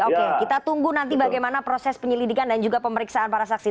oke kita tunggu nanti bagaimana proses penyelidikan dan juga pemeriksaan para saksi